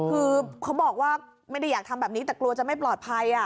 คือเขาบอกว่าไม่ได้อยากทำแบบนี้แต่กลัวจะไม่ปลอดภัย